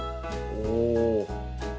お。